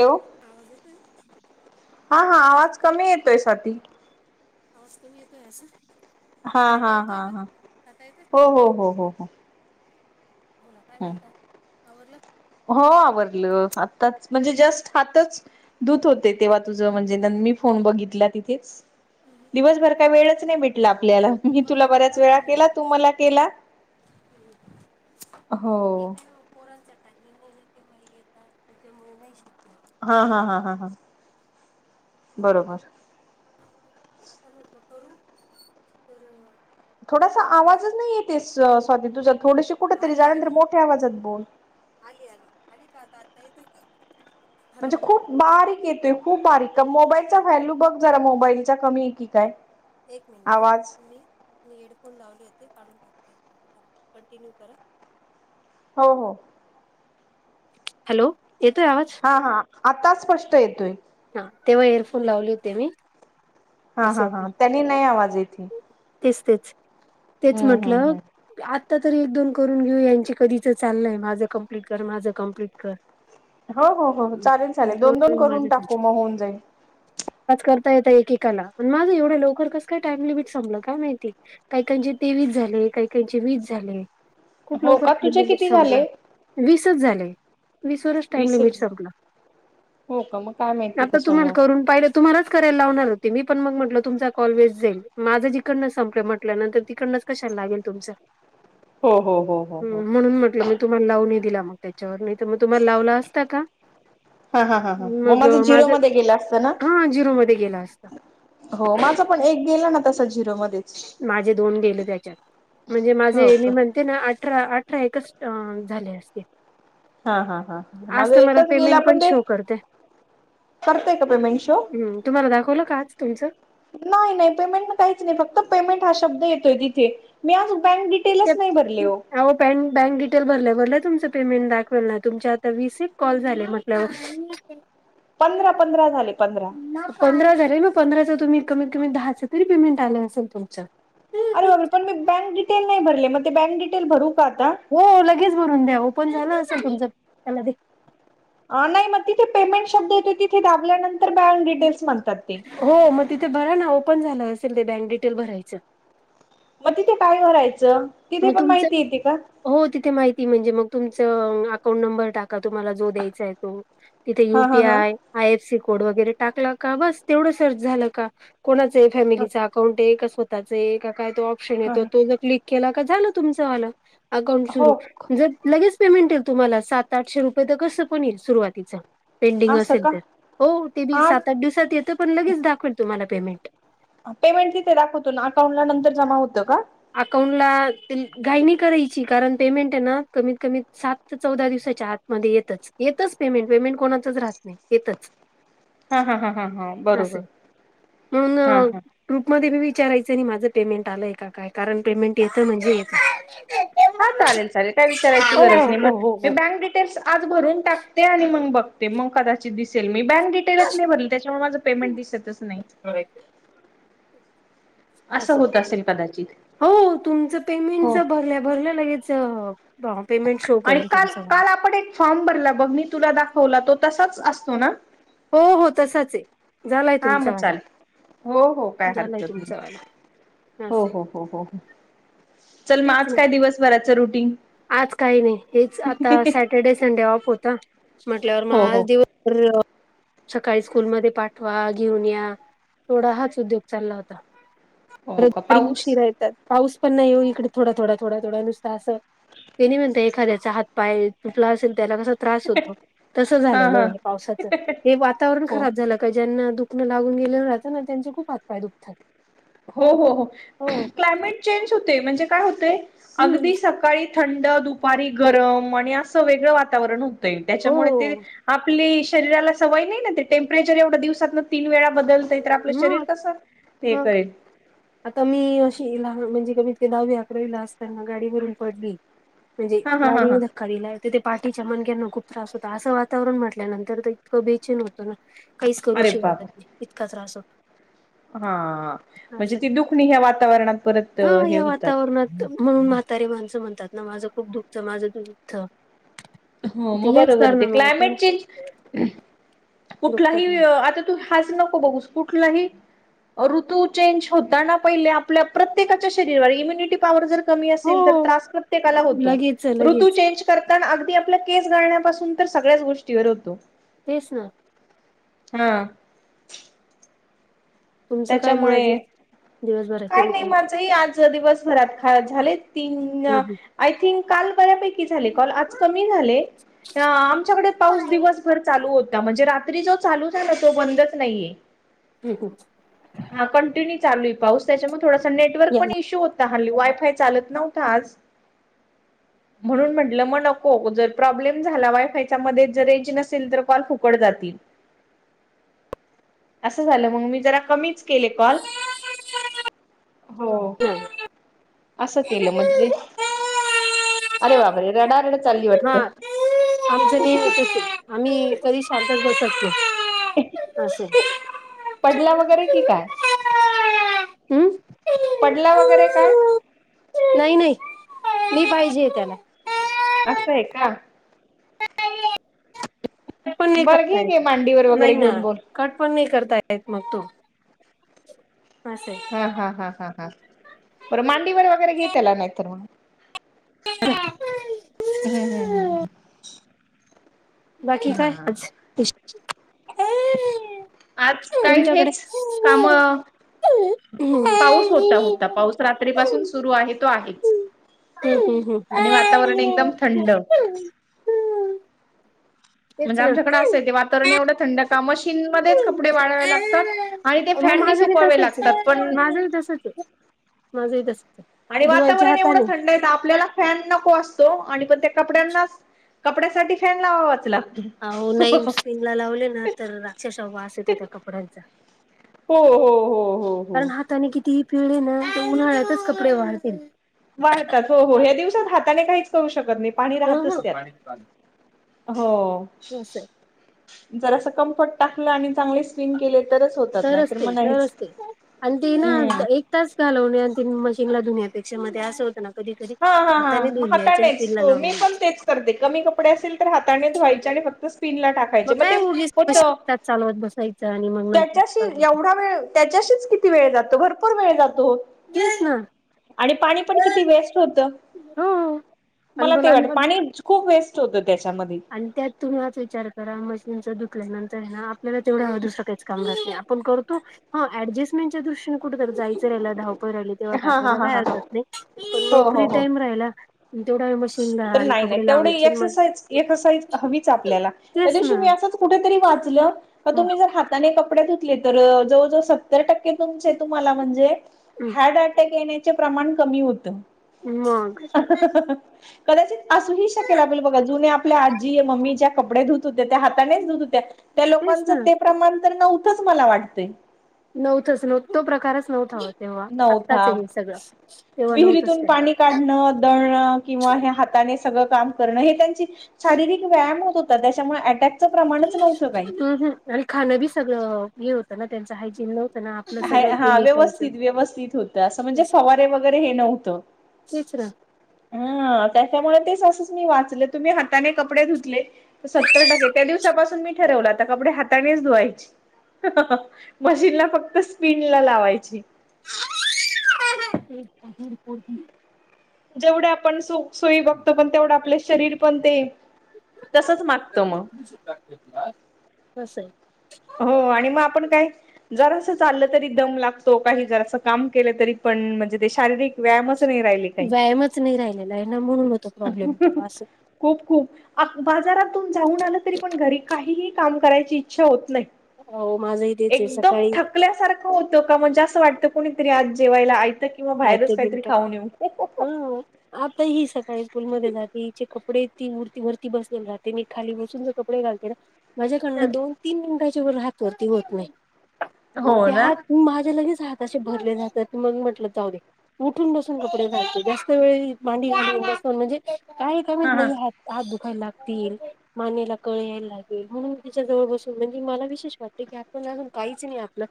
Hello आवाज येतोय हा हा आवाज कमी येतोय स्वाती आवाज कमी येतो आसा हा हा हा हा येतोय हो हो हो हो हो. बोला काय हम्म. म्हणता आवरलं हो आवरलं आताच म्हणजे जस्ट हातच धुत होते तेव्हा तुझं म्हणजे नं मी फोन बघितला तिथेच हम्म, हम्म. दिवसभर काय वेळच नाही भेटला आपल्याला मी मला तुला बऱ्याच मला वेळा पण नाही केला तू मला केला. हम्म. हो. पोरांचा टायमिंग नाय माहित केव्हा येता त्याच्यामुळे नाही शक्य होत. हा हा हा हा हा बरोबर आता म्हटलं करू तर अं, थोडासा म्हटलं दा आवाजच नाही येते स स्वाती तुझं थोडशी कुठेतरी आली जा नायतर आली मोठ्या आवाजात बोल आली आली आली का आता आता येतोय का? म्हणजे हॅलो खूप बारीक येतोय खूप बारीक का मोबाईलचा व्हॅल्यू बघ जरा मोबाईलचा कमी ये की काय? एक मिनिट ह आवाज मी मी हेडफोन लावले होते काढून टाकते थांब एक मिनट कंटिन्यू कर हं हो हो. हॅलो येतोय आवाज हा हा आता स्पष्ट येतोय. हा तेव्हा एयरफोन लावले होते मी. हा असं हा होतं. हा त्यांनी नाय आवाज येत हे तेच तेच तेच हम्म म्हटलं हम् आत्ता तरी एक दोन करून घेऊ यांचे कधीच चाललंय माझं कंप्लिट कर माझं कंप्लीट कर हो हो हो चालेल चालेल दोन दोन करून टाकू म होऊन जाईल. आज करता येत एकेकाला पण माझं एवढं लवकर कस काय टाइम लिमिट संपलं काय माहिती. कायकांचे तेवीस झाले कायकांचे वीस झाले खूप हो लवकर का टाइम तुझे लिमिट किती संपला. झाले वीसच झाले. वीस वरचं टाइम लिमिट वीसच सपला हो का मग काय माहिती आता तुम्हाला कशामुळे करून पाहिल तुम्हालाच करायला लावणार होत ते मी पण मंग म्हटलं तुमचा कॉल वेस्ट जाईल माझंचं इकडनच संपलं म्हटल्यानंतर तिकडनंच कशाला लागेल तुमचां हो हो हो हो हो हम् म्हणून म्हंटलं मी तुम्हाला लावू ना दिला मग त्याच्यावर नायतर मग तुम्हाला लावला असता का हा हा हा हा म मग माझं अ, झिरो मध्ये गेलं असत ना हा झिरो मध्ये गेला असता हो माझं पण एक गेलं ना तस झिरोमध्ये माझे दोन गेले त्याच्यात म्हणजे हो माझे मी का म्हण ते ना अठरा अठरा एकच अ झाले असते. हा हा हा हा आज माझं तर मला एकच गेला पेमेंट पण ते शो करते करतय का पेमेंट शो तुम्हाला दाखवलं का आज तुमचं नाय नाय पेमेंट काहीच नाही फक्त पेमेंट हा शब्द येतोय तिथे मी आजुन बँक डी ते टेलचं नाही भरले ओ अहो ताई मं बँक बँक डिटेल भरल्या भरल्या तुमचं पेमेंट दाखवेल ना तुमचे आता वीस एक कॉल झाले म्हटल्यावर पंधरा पंधरा झाले पंधरा पंधरा हजार आहे ना पंधराचं तुम्ही कमीत कमी दहाच तरी पेमेंट आलं असेल तुमच अर बर पण मी बँक डिटेल नाही भरले मग ते बँक डिटेल भरू का आता हो लगेच भरून द्या ओपन झालं असेल तुमचं त्याला नाही मग तिथे पेमेंट शब्द येत तिथे दाबल्यानंतर बँक डिटेल्स म्हणतात ते हो मग तिथे बरा ना ओपन झालं असेल ते बँक डिटेल भरायचं मग तिथे काय भरायचं तिथे मग पण तुमचं माहिती येते का हो तिथे माहिती म्हणजे मग तुमचं अकाउंट नंबर टाक का तुम्हाला जो द्यायचा आहे तो तिथे हा हा हा UPI I F C code वगैरे टाकला का बस तेवढं सर्च झालं का कोणाच ह फॅमिलीचा अकाउंट आहे का स्वतःच आहे का काय तो ऑप्शन येतो ह तो जर क्लिक केला का झालं तुमचं आलं अकाउंट हो सुरू जर लगेच पेमेंट येईल तुम्हाला सात आठशे रुपये तर कसं पण येईल सुरुवातीच पेंडिंग असं असेल का तर हो ते बी हा सात आठ दिवसात येतं पण लगेच दाखवेल तुम्हाला पेमेंट पेमेंट तिथे दाखवतो ना अकाउंट ला नंतर जमा होतं का अकाउंटला गायनी करायची कारण पेमेंट आहे ना कमीत कमी सात ते चौदा दिवसाच्या आात मध्ये येतच येतच पेमेंट पेमेंट कोणाच राहत नाही येतच हा हा हा हा हा बरोबर हा हा ग्रुप मध्ये मी विचारायचं नाही माझं पेमेंट आलंय काय कारण पेमेंट याचं म्हणजेच हा चालेल चालेल काय विचारयची गरज नाही हो मग हो मी हो बँक डिटेल्स आज भरून टाकते आणि मग बघते मग कदाचित दिसेल मी बँक ते नसले भरेल त्याच्यामुळे माझं पेमेंट दिसतच नाही असं होत असेल कदाचित हो तुमचं हो पेमेंटच भरल्या भरल्या लगेयचं बा पेमेंट शो आणि करेन काल तुमचं मला काल आपण एक फॉर्म भरला बघ मी तुला दाखवला तो तसाच असतो ना हो हो तसाच आहे झालाय हा तुमचा मग वाला चाले हो हो काय झालाय हरकत नाही तुमचा वाला हो असं हो हो हो हो चल मग तेच आज ना काय दिवसभराचं रुटीन सटरडे संडे ऑफ होता म्हटल्यावर मग हो आज हो दिवसभर सकाळी स्कूलमध्ये पाठवा घेऊन या थोडा हाच उद्योग चालला होता हो का परडी पाऊस शिरा येतात पाऊस पण नाही येऊ इकडे थोडा थोडा थोडा थोडं नुसत असं तेणी म्हणत एखाद्याचा हात पाय तुटला त्याला कसं त होत हा हा झालेलं पावसाच हे वातावरण हो खराब झालं का ज्यांना दुखं लागून गेलेलं राहतं ना त्यांचे खूप हात पाय दुखतात हो हो हो क्लायमेट चेंज होते म्हणजे काय होतय हम्म अगदी सकाळी थंड दुपारी गरम आणि असं वेगळं वातावरण होतंय हो त्याच्यामुळे ते आपली शरीराला सवय नाही ना ते टेम्परेचर एवढं दिवसात तीन वेळा बदलतय तर आपलं शरीर मग कसं ते मग करेल आता मी अशी लहान म्हणजे कमीते दहावी अकरावी ला असताना गाडी भरून पडली म्हणजे हा हा हा गाडी हा कधला ते पाठीच्या मनक्यांना खूप त्रास होता असं वातावरण म्हटल्यानंतर तर इतकं बेचन होतं ना काहीच करू अरे बाप शिकत इतका त्रास होतो हा म्हणजे असं ती दुखणी ह्या वातावरणात परत हा हे या होतात वातावरणात म्हणून म्हातारी माणसं म्हणतात ना माझं खूप दुःखच माझं दुखत हो मग बरोबर ते क्लायमेट त्यांचं चेंज दुखतात कुठलाही ना. आता तू हाच नको बघूस कुठलाही ऋतू चेंज होताना पहिले आपल्या प्रत्येकाच्या शरीरावर इम्युनिटी पॉवर जर कमी हो असेल तर त्रास प्रत्येकाला होतो. लगेच लगेच आपले केस गाळण्यापासून तर सगळ्याच गोष्टीवर होतो. तेच ना हम तुमचं काय मग आज त्याच्यामुळे. दिवसभराची काय नाही रुटीन? मा तरी आज दिवसभरात झा तीन आय थिक काल बऱ्यापै झाले कॉल. आज कमी झाले. अअ आमच्याकडे पाऊस दिवसभर चालू होता म्हणजे रात्री रात्री जो चालू आहे ना तो बंदच नाहीये. हम्हम हा कंटिन्यू चालू आहे पाऊस त्याच्यामुळे थोडासा नेटवर्क पण इशू होत हली वायफाय चालत नव्हत आज. [inaudible] म्हणून म्हटलं मग नको जर प्रॉब्लेम झाला वायफायच्या मध्ये जर रेंज नसेल तर कॉल फुकट जातील. [inaudible] असं झालं मग मी जरा, कमीच केले कॉल. हो असं केलं मग ज. अरे बाब रे रडारड चालली हा वाटतं. आमचंनेहमीच च आम्ही कधी शांतच बसत नाही. असय. पडल्या वगैरे की काय? हम्म पडला वगैरे काय? नाही नाही मी पाहिजे त्याला. असय का. पण नाही बरं करता घे घे येत. मांडीवर वगैरे नाही ना घेऊन बोल कट पण नही करता येत मग तू अस हा हा हा हा हा बर मांडीवर वगैरे घे त्याला नाही तर मग, हम् हम हम हम बाकी काय? हा. आज काही तुमच्याकडे हेच काम. पाऊस होता, होता पाऊस रात्रीपासून सुरू आहे तो आहेच. हम् आणि ह् वातावरण एकदम थंड ह् म्हणजे [inaudible] तेच म्हणजे ना आमच्याकडें असंय ते वातावरण एवढं थंड का मशीनमध्येच कपडे वाळावे लागतात. आणि ते मग फॅननी माझंही सुकवावे तसच लागतात आहे. पण माझंही तसच आहे माझंही तसच आहे. आणि धुवायच्या वातावरण एवढ हाताने थंड आहेेत तर आपल्याला फॅन नको असतो तो आणि पण त्या कपड्यांनाच कपड्यासाठी फॅन लावावाच लागतो. अहो नाही स्पिनला लावले ना तर अक्षरशः वास येतो त्या कपड्यांचा. हो हो हो हो हो. कारण हाताने कितीही पिळले ना ते उन्हाळ्यातच कपडे वाळतील. वाळ ता त हो हो या्या दिवसात हाताने काहीच करू शकत नाही. पाणी राहतच त्यात हो, असं आहे जर असं कम्फर्ट टाकलं आणि चांगले स्पिन केले तरच होते. तर असते तर असते आणि ती ना हम्म एक, च घालवणे आणिी मशीनला धुण्या्यापेक्षामध्ये असं होत ना, कधी कधी हा हा हाताने धुन घ्यायचे च आणि स्पिन ला लावून द्यायचे. सर् ते. कमी कपडे असेल तर हाताने धुवायचे आणि फक्त स्पिन ला टाक यचे. मग ते काय उगीच होत तास चालवत बसायचं आणि मग नंतर त्याच्याशी एवढा वेळ, त्याच्याशीच किती वेळ जातो भरपूर वेळ जातो तेच ना, आणि पाणी पण किती वेस्ट होत. हो आणि मला ते बोला वाटत मग पाणी खूप वेस्ट होत त्याच्यामध्ये. आणि त्यात तुम्ही आच विचार करा मशीनचं धुतल्या नंतर आहे ना आपल्याला तेवढा वेळ दुसरं काहीच [unintelligible] आपण करतो, ह एडजस्टमेंटच्या दृष्टीनने कुठ जायचं राहिल [unintelligible] [unintelligible] राहिली तेव्हा हा हा टाकायला हा काय हा हा हरकत नाही, पण हो तो हो फ्री हो टाईम राहिला तेवढा वेळ मशीन ला कपडे लावायचे मग एक [unintelligible] हवीच आपल्याला त्या तेच ना दिवशी मी असं कुठेतरी वाचलं हं तुम्ही, जर हाताने कपडे धुतले, तर जवळजवळ सत्तर टक्के तुमचे तुम्हाला म्हणजे, हं हार्ट अटॅक येण्याचे प्रमाण कमी होत. मग ह अ अ कदाचित असू हि शकेल, आपल्याला बघा जुने आपल्या आजी मम्मीच्या कपडे धुत होत्या त्या हातानेच धुत होत्या, त्या तेच ना लोकांचं ते प्रमाण तर नव्हतंच मला वाटतंय. नव्हतचं नव्ह तो प्रकारच नव्हता, हवा तेव्हा नव्हता आत्ताचही सगळं तेव्हा नव्हतंच काही. कांडण, दळण किंवा हे हाताने सगळं काम करणं हे त्यांची शारीरिक व्यायाम होत त्याच्यामुळे अटॅकचं प्रमाणच नव्हतं काही. हं हं आणि खाणं बी सगळं हे होतं ना, त्यांच हायजीन नव्हतं ना आपलं ह सगळं हा केमिकलचं व्यवस्थित व्यवस्थित होत, असं म्हणजे फवारे वगैरे हे नव्हतं. तेच ना ह अ त्याच्यामुळे तेच असंच मी वाचले, तुम्ही हाताने कपडे धुतले सत्तर टक्के त्या दिवसापासून मी ठरवल, आता कपडे हातानेच धुवायची. मशीनला फक्त स्पिन ला लावायची. [unintelligible] जेवढे आपण सो सोय बघतो, पण तेवढं आपले शरीर पण ते तसचं मागत म. [unintelligible] बस आहे. हो, आणि मग आपण काय? जरास चाललं तरी दम लागतो, काही जरास काम केलं तरी पण म्हणजे ते शारीरिक व्यायामच नाही राहिली काही. व्यायामचं नाही रा केलेला हाय ना, म्हणून होतो प्रॉब्लेम तो असं. खूप खूप आत बाजारातून जाऊन, आलं तरी पण घरी काहीही काम करायची इच्छा होत नाही. हो, माझही एकदम थकल्या सारखं होतं का, म्हणजे असं वाटतं कोणीतरी आज जेवायला आयत किंवा बाहेरच आयतं काही बिल तरी खाऊन येऊ. [unintelligible] हा आता ही सकाळी स्कूलमध्ये जाते. [unintelligible] कपडे ती वर वरती बसून राहते, मी खाली बसूनचं कपडे घालते ना. माझ्याकडनं दोन तीन मिंटाच्या वर हात वरती होत नाही, हो त्या ना हात माझे लगेच हात असे भरले जातात, मग म्हटलं? जाऊदे उठून बसून कपडे धुवायचे, जास्त वेळ मांडी घालुन बसन म्हणजे काय हा हा. [unintelligible] हात दुखायला लागतील. मानेला कळ यायला लागेल, म्हणून त्याच्या जवळ बसून म्हणजे मला विशेष वाटतं, की आपण अजून काहीच नाही आपलं.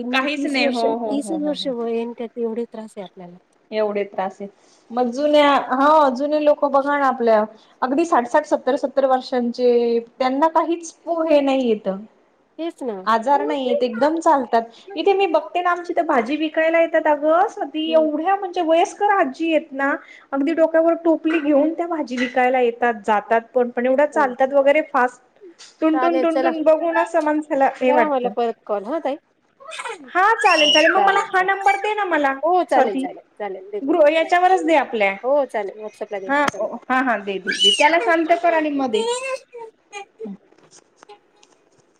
इन मीन काहीच तीस नाही वर्ष हो हो हो तीसचं हो हो. वर्ष वय आणि त्यात एवढे त्रास हाय आपल्याला. एवढे त्रास येत, मग जुन्या हा जुने लोक बघा ना आपल्या अगदी साठ- साठ सत्तर- सत्तर वर्षांचे त्यांना काहीच पो हे नाही येत. तेच ना. आजार नाही हेत एकदम चालतात, इथे हम्म मी बघते ना आमच्या इथे भाजी विकायला येतात, अगं ती एवढ्या म्हणजे, वयस्कर आजी आहेत ना. अगदी डोक्यावर टोपली घेऊन, त्या भाजी विकायला येतात जातात. पण -पण एवढं विसरल चालतात वगैरे, फास्ट चालेल चला टूनटून बघून असं माणसाला हे वाटतं. कर हं ताई? हा, चालेल चालेल मग मला हा नंबर दे ना मला हो चालेल चालेल हो चालेल स्वाती. चालेल चालेल देते ग्रु याच्यावरच दे आपल्या हो चालेल व्हॉट्सअपला हा देते हो हा हा दे दे दे. त्याला शांत कर, आणि मग दे. चालेल [inaudible]